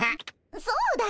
そうだよ。